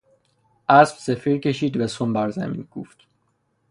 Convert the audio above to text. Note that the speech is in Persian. اسب صفیر کشید و سم بر زمین کوفت.